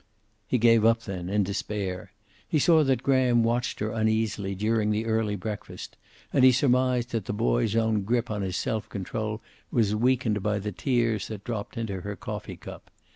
He gave up then in despair. He saw that Graham watched her uneasily during the early breakfast, and he surmised that the boy's own grip on his self control was weakened by the tears that dropped into her coffee cup.